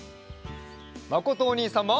まことおにいさんも！